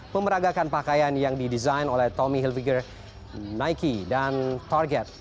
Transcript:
memeragakan pakaian yang didesain oleh tommy hilviger nike dan target